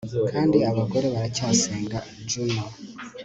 Kandi abagore baracyasenga Juno